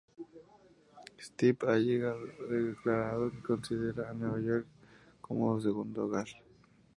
Stipe ha declarado que considera a Nueva York como su segundo hogar.